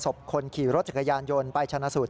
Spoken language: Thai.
คนขี่รถจักรยานยนต์ไปชนะสูตร